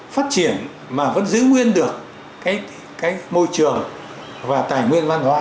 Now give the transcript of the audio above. phát triển mà vẫn giữ nguyên được cái môi trường và tài nguyên văn hóa